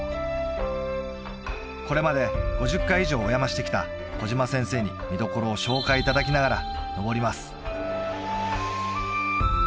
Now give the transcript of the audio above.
これまで５０回以上お山してきた小嶋先生に見どころを紹介いただきながら登ります